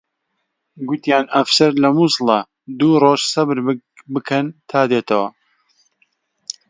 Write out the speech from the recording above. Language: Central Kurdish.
گوتیان ئەفسەر لە مووسڵە، دوو ڕۆژ سەبر بکەن تا دێتەوە